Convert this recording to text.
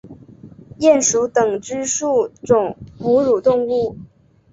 鼹属等之数种哺乳动物。